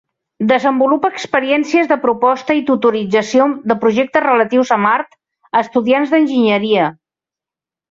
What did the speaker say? Desenvolupa experiències de proposta i tutorització de projectes relatius a Mart a estudiants d'enginyeria.